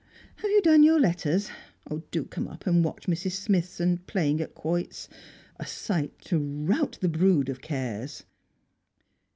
Have you done your letters? Do come up and watch Mrs. Smithson playing at quoits a sight to rout the brood of cares!"